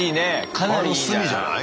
かなりいいんじゃない？